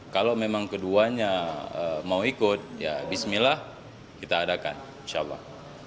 kalau memang keduanya mau ikut ya bismillah kita adakan insya allah